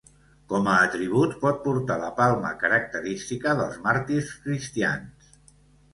Com a atributs pot portar la palma característica dels màrtirs cristians.